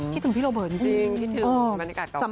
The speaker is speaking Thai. คิดถึงพี่โรเบิร์ตจริงคิดถึงบรรยากาศเก่า